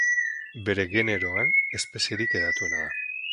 Bere generoan espezierik hedatuena da.